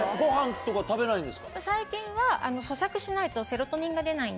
最近は。